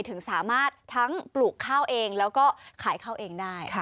ถึงสามารถทั้งปลูกข้าวเองแล้วก็ขายข้าวเองได้